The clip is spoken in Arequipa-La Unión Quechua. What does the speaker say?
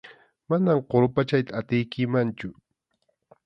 Manam qurpachayta atiykimanchu.